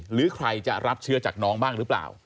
หรือใครจะรับเชื้อจากน้องบ้างหรือเปล่า